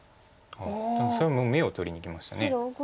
それもう眼を取りにいきました。